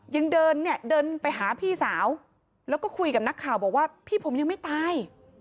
ยังเดินเนี่ยเดินไปหาพี่สาวแล้วก็คุยกับนักข่าวบอกว่าพี่ผมยังไม่ตาย